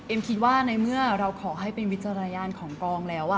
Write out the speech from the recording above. คิดว่าในเมื่อเราขอให้เป็นวิจารณญาณของกองแล้ว